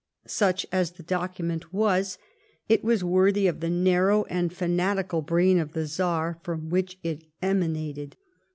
Such as the document was, it was worthy of the narrow and fanatical brain of the Czar, from which it emanated.